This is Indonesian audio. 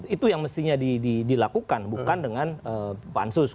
itu yang mestinya dilakukan bukan dengan pansus